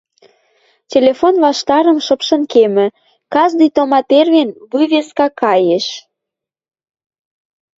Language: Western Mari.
телефон ваштырым шыпшын кемӹ, каждый тома тервен вывеска каеш